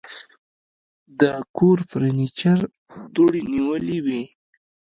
د کور فرنيچر دوړې نیولې وې.